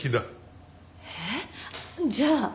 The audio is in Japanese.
えっじゃあ。